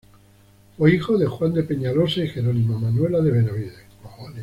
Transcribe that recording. Fue hijo de Juan de Peñalosa y Jerónima Manuela de Benavides.